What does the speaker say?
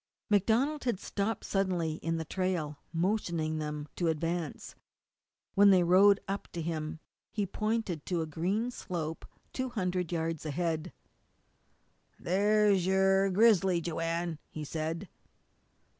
MacDonald had stopped suddenly in the trail, motioning them to advance. When they rode up to him he pointed to a green slope two hundred yards ahead. "There's yo'r grizzly, Joanne," he said.